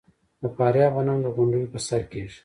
د فاریاب غنم د غونډیو په سر کیږي.